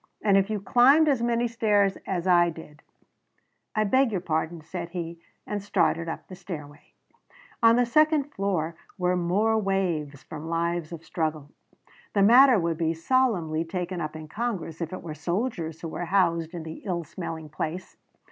"And if you climbed as many stairs as I did " "I beg your pardon," said he, and started up the stairway. On the second floor were more waves from lives of struggle. The matter would be solemnly taken up in Congress if it were soldiers who were housed in the ill smelling place.